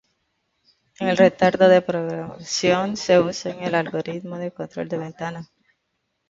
El retardo de propagación se usa en el algoritmo de control de ventana.